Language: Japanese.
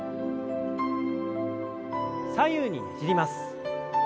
左右にねじります。